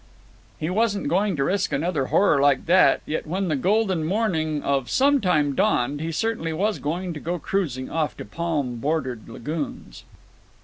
He wasn't going to risk another horror like that, yet when the golden morning of Sometime dawned he certainly was going to go cruising off to palm bordered lagoons.